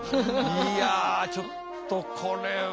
いやちょっとこれは。